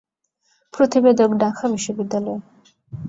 প্রতিবেদকঢাকা বিশ্ববিদ্যালয়